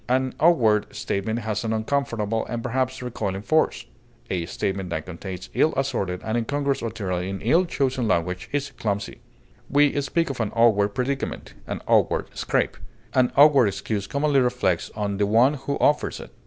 An awkward statement has an uncomfortable, and perhaps recoiling force; a statement that contains ill assorted and incongruous material in ill chosen language is clumsy. We speak of an awkward predicament, an awkward scrape. An awkward excuse commonly reflects on the one who offers it.